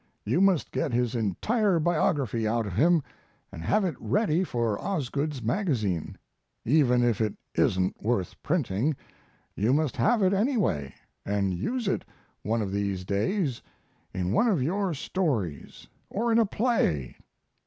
You must get his entire biography out of him and have it ready for Osgood's magazine. Even if it isn't worth printing, you must have it anyway, and use it one of these days in one of your stories or in a play.